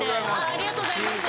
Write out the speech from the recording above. ありがとうございます。